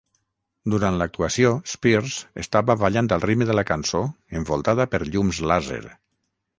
Durant l'actuació, Spears estava ballant al ritme de la cançó envoltada per llums làser.